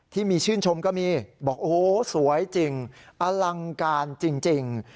ที่มีชื่นชมก็มีบอกโอ้โหสวยจริงอลังการจริง